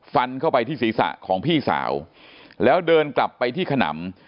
ฟันเข้าไปที่ศีรษะของพี่สาวแล้วเดินกลับไปที่ขนำ